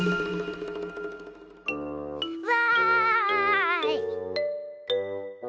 わい！